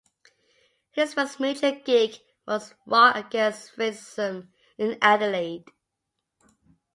His first major gig was "Rock Against Racism" in Adelaide.